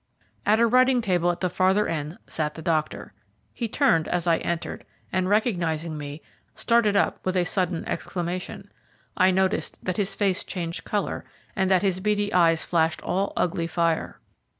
At a writing table at the farther end sat the doctor. He turned as I entered, and, recognising me, started up with a sudden exclamation. I noticed that his face changed colour, and that his beady eyes flashed all ugly fire.